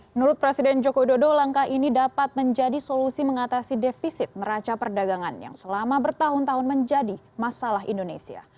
menurut presiden joko widodo langkah ini dapat menjadi solusi mengatasi defisit neraca perdagangan yang selama bertahun tahun menjadi masalah indonesia